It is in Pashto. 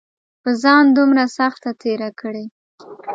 پۀ ځان دومره سخته تېره کړې